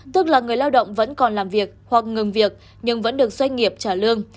tức là người lao động vẫn còn làm việc hoặc ngừng việc nhưng vẫn được doanh nghiệp trả lương